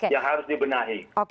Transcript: yang harus dibenahi